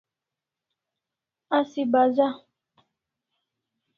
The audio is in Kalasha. Asi baza